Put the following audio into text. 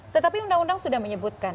tetapi undang undang sudah menyebutkan